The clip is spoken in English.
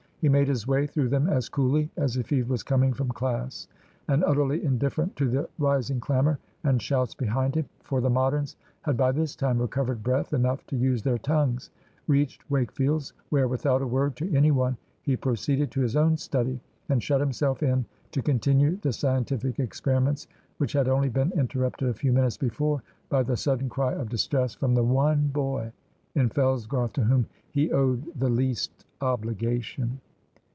He made his way through them as coolly as if he was coming from class; and utterly indifferent to the rising clamour and shouts behind him for the Moderns had by this time recovered breath enough to use their tongues reached Wakefield's, where without a word to any one he proceeded to his own study and shut himself in to continue the scientific experiments which had only been interrupted a few minutes before by the sudden cry of distress from the one boy in Fellsgarth to whom he owed the least obligation.